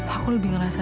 aku lebih ngerasa nyaman